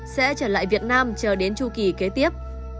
sẽ trở lại việt nam chờ đến chu kỳ kế tiếp